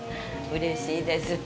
うれしいです。